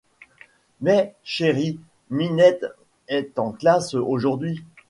Mais, chérie, Ninette est en classe aujourd’hui.